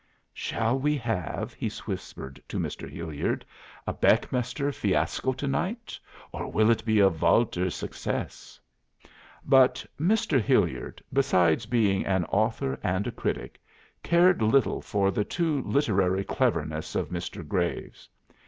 "Shall we have," he whispered to Mr. Hillard, "a Beckmesser fiasco to night, or will it be a Walter success?" But Mr. Hillard, besides being an author and a critic, cared little for the too literary cleverness of Mr. Graves.